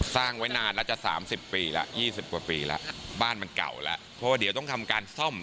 สร้างไว้นานแล้วจะ๓๐ปีแล้ว๒๐กว่าปีแล้วบ้านมันเก่าแล้วเพราะว่าเดี๋ยวต้องทำการซ่อม